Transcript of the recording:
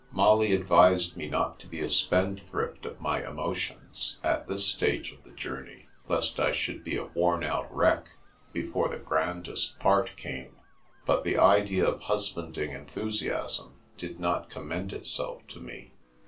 Molly advised me not to be a spendthrift of my emotions, at this stage of the journey, lest I should be a worn out wreck before the grandest part came, but the idea of husbanding enthusiasm did not com mend itself to me.